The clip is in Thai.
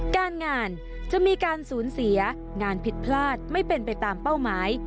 การงานจะมีการสูญเสียงานผิดพลาดไม่เป็นไปตามเป้าหมาย